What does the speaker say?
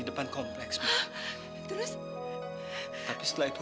gak boleh bicara seperti itu